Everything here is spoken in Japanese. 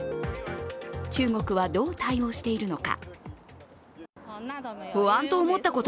中国はどう対応しているのか。